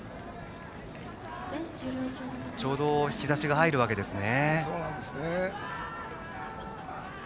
ちょうど日ざしが入るわけですね。